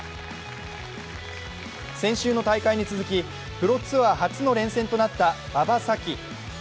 先週の大会に続き、プロツアー発表の連戦となった馬場咲希。